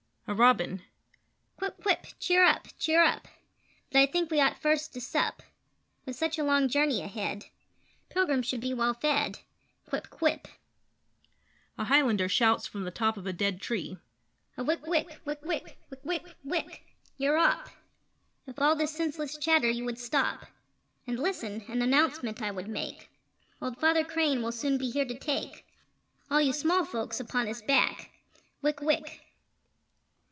[A Robin]: Quip! Quip! Cheer up! Cheer up! But I think we ought first to sup; With such a long journey ahead, Pilgrims should be well fed Quip! Quip! [A Highlander Shouts from the Top of a Dead Tree]: A wick wick! wick wick! wick wick! wick! Yare op! If all this senseless chatter you would stop, And listen, an announcement I would make: Old Father Crane will soon be here to take All you small folks upon his back Wick wick!